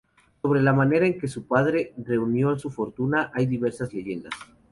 Sobre la manera en que su padre reunió su fortuna hay diversas leyendas.